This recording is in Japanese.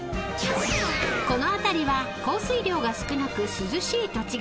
［この辺りは降水量が少なく涼しい土地柄］